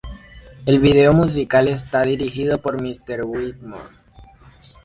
El video musical está dirigido por Mister Whitmore.